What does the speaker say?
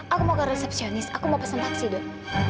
aku mau ke resepsionis aku mau pesan taksi dok